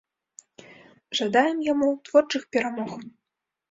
Жадаем яму творчых перамог.